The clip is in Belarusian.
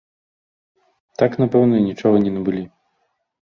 Так, напэўна, і нічога не набылі.